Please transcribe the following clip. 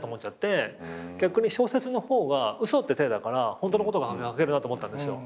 逆に小説の方は嘘って体だからホントのことが書けるなと思ったんですよ。